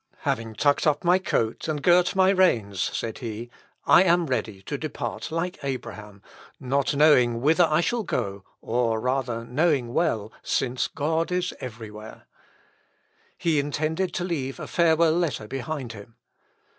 "Having tucked up my coat, and girt my reins," said he, "I am ready to depart like Abraham; not knowing whither I shall go, or rather knowing well, since God is every where." He intended to leave a farewell letter behind him.